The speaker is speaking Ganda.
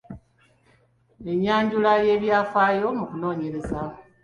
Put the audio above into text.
Ennyanjula n’ebyafaayo mu kunoonyereza.